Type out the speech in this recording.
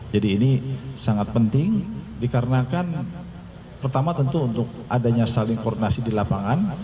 jadi ini sangat penting dikarenakan pertama tentu untuk adanya saling koordinasi di lapangan